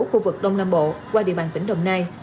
khu vực đông nam bộ qua địa bàn tỉnh đồng nai